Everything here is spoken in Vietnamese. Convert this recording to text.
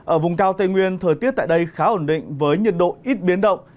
ở vùng cao tây nguyên thời tiết tại đây khá ổn định với nhiệt độ ít biến động